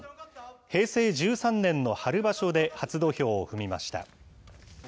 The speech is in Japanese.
平成１３年の春場所で初土俵を踏みました。